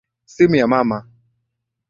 Simu ya mama.